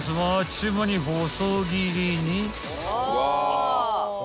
ちゅう間に細切りに］